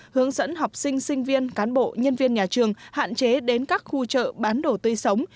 hướng dẫn học sinh sinh viên cán bộ nhân viên nhà trường hạn chế đến các khu chợ bán đồ tươi sống